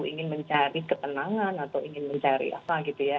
ingin mencari ketenangan atau ingin mencari apa gitu ya